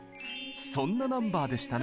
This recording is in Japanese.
そんなナンバーでしたね。